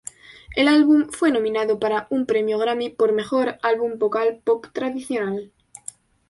El álbum fue nominado para un Premio Grammy por Mejor Álbum Vocal Pop Tradicional.